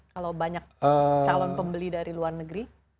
kalau banyak calon pembeli dari luar negeri